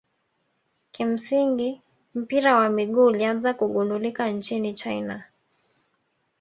kimsingi mpira wa miguu ulianza kugundulika nchini china